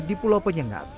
di pulau penyengat